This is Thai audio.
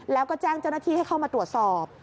แล้วก็แจ้งเจ้าหน้าที่ให้เข้ามาตรวจสอบ